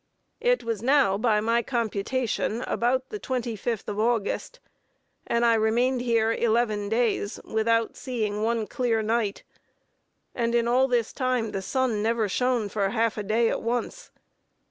It was now, by my computation, about the twenty fifth of August, and I remained here eleven days without seeing one clear night; and in all this time the sun never shone for half a day at once.